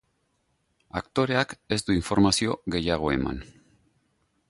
Aktoreak ez du informazio gehiago eman.